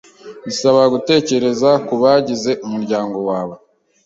Bisaba gutekereza kubagize umuryango wawe?